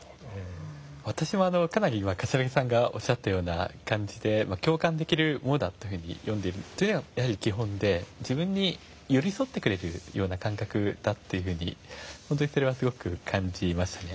私もかなり今頭木さんがおっしゃったような感じで共感できるものだというふうに読んでいるのが基本で自分に寄り添ってくれるような感覚だというふうに本当にそれはすごく感じましたね。